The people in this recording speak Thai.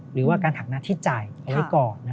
หรือว่าการหักหน้าที่จ่ายเอาไว้ก่อน